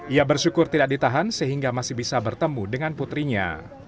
ia bersyukur tidak ditahan sehingga masih bisa bertemu dengan putrinya